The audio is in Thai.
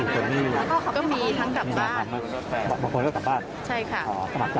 ก็มีทั้งกลับบ้าน